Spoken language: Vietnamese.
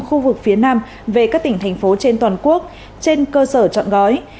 khu vực phía nam về các tỉnh thành phố trên toàn quốc trên cơ sở trọn gói